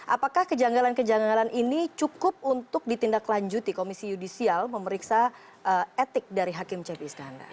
apakah kejanggalan kejanggalan ini cukup untuk ditindaklanjuti komisi yudisial memeriksa etik dari hakim cepi istana